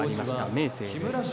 明生です。